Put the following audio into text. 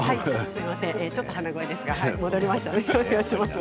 すいませんちょっと鼻声ですが、戻りました。